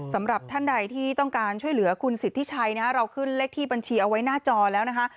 สำหรับท่านใดที่ต้องการช่วยเหลือคุณสิทธิชัยนะเราขึ้นเลขที่บัญชีเอาไว้หน้าจอแล้วนะคะ